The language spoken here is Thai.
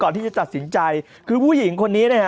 ที่จะตัดสินใจคือผู้หญิงคนนี้นะฮะ